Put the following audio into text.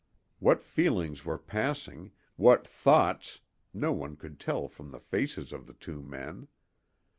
What feelings were passing, what thoughts, no one could tell from the faces of the two men.